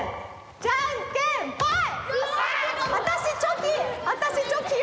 じゃんけんぽい！